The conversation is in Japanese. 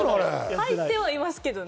入ってはいますけどね。